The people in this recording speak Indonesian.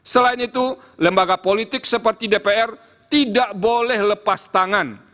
selain itu lembaga politik seperti dpr tidak boleh lepas tangan